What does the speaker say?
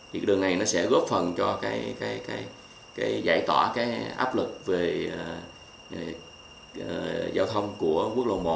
thì cái đường này nó sẽ góp phần cho cái giải tỏa cái áp lực về giao thông của quốc lộ một